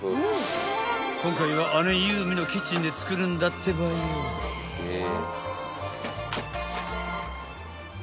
［今回は姉有美のキッチンで作るんだってばよ］